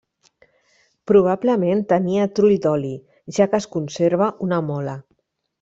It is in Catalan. Probablement tenia trull d'oli, ja que es conserva una mola.